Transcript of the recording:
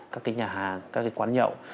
các cái nhà hàng các cái quán nhậu